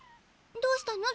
どうしたの？